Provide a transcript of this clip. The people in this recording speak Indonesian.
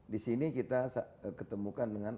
di sini kita ketemukan dengan